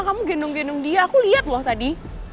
kamu gendong gendong dia aku lihat loh tadi